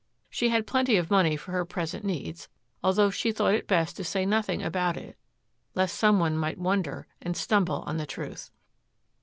She had plenty of money for her present needs, although she thought it best to say nothing about it lest some one might wonder and stumble on the truth.